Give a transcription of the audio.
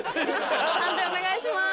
判定お願いします。